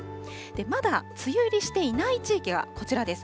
まだ梅雨入りしていない地域がこちらです。